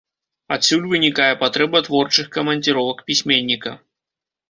Адсюль вынікае патрэба творчых камандзіровак пісьменніка.